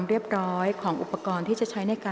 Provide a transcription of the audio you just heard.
กรรมการท่านที่สี่ได้แก่กรรมการใหม่เลขเก้า